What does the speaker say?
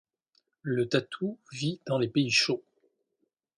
Le tatou vit dans les pays chauds